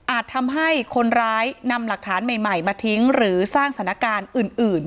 ทำให้คนร้ายนำหลักฐานใหม่มาทิ้งหรือสร้างสถานการณ์อื่น